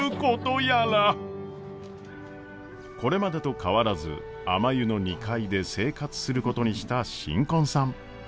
これまでと変わらずあまゆの２階で生活することにした新婚さん。